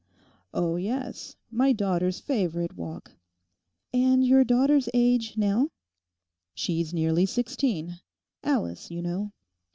'Oh yes; my daughter's favourite walk.' 'And your daughter's age now?' 'She's nearly sixteen; Alice, you know.